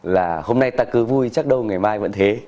là hôm nay ta cứ vui chắc đâu ngày mai vẫn thế